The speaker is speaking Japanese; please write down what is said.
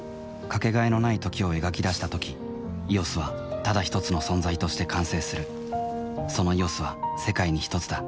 かけがえのない「時」を描き出したとき「ＥＯＳ」はただひとつの存在として完成するその「ＥＯＳ」は世界にひとつだ